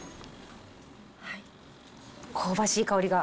香ばしい香りが。